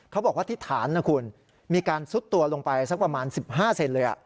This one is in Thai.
เขาบอกว่าที่ฐานนะคุณมีการซุดตัวลงไปสักประมาณ๑๕เซนเลย